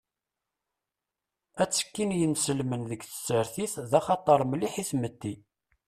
Atekki n yimselmen deg tsertit d axater mliḥ i tmetti.